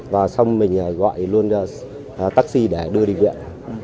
và xong mình gọi luôn taxi để đưa đi viện